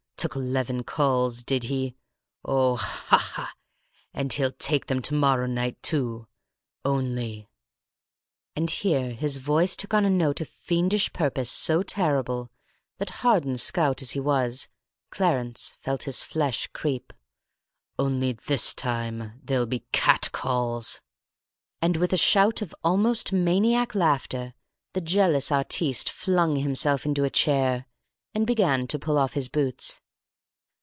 Took eleven calls, did he? Oh, ha, ha! And he'll take them to morrow night, too! Only" and here his voice took on a note of fiendish purpose so terrible that, hardened scout as he was, Clarence felt his flesh creep "only this time they'll be catcalls!" And, with a shout of almost maniac laughter, the jealous artiste flung himself into a chair, and began to pull off his boots.